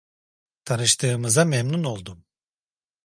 Tanıştığımıza memnun oldum.